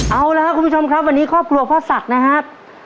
เอาละครับคุณผู้ชมครับวันนี้ครอบครัวพ่อศักดิ์นะครับ